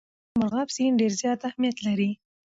په افغانستان کې مورغاب سیند ډېر زیات اهمیت لري.